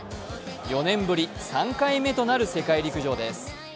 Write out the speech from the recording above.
４年ぶり３回目となる世界陸上です。